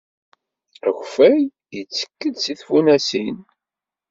Akeffay yettekk-d seg tfunasin.